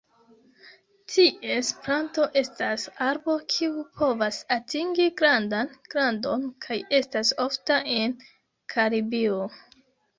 Ties planto estas arbo kiu povas atingi grandan grandon, kaj estas ofta en Karibio.